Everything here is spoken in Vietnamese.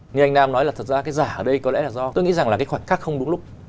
như anh nam nói là thật ra cái giả ở đây có lẽ là do tôi nghĩ rằng là cái khoảnh khắc không đúng lúc